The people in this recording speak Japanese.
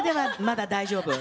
まだ大丈夫。